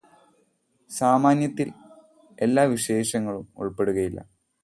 സാമാന്യത്തിൽ എല്ലാ വിശേഷങ്ങളും ഉൾപെടുകയില്ല.